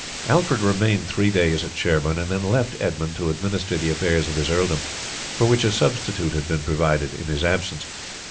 Alfred remained three days at Sherborne and then left Edmund to administer the affairs of his earldom, for which a substitute had been provided in his absence.